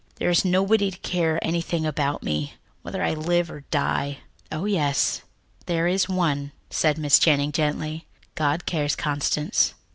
There is nobody to care anything about me, whether I live or die." "Oh, yes, there is One," said Miss Channing gently. "God cares, Constance."